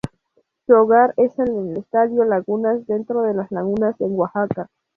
Su hogar es el Estadio Lagunas, dentro de Lagunas en Oaxaca.